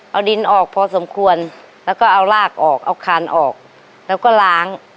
เอาดินออกพอสมควรแล้วก็เอาลากออกเอาคานออกแล้วก็ล้าง